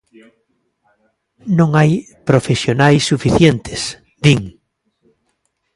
"Non hai profesionais suficientes", din.